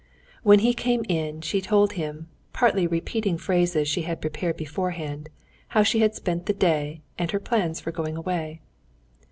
When he came in she told him, partly repeating phrases she had prepared beforehand, how she had spent the day, and her plans for going away.